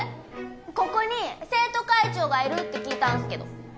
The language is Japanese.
ここに生徒会長がいるって聞いたんすけど。